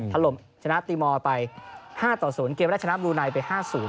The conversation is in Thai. ถล่มชนะตีมอลไป๕๐เกมได้ชนะบรูไนไป๕๐